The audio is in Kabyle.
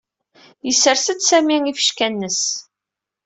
Yessers-d Sami ifecka-nnes.